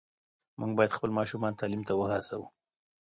موږ باید خپل ماشومان تعلیم ته وهڅوو.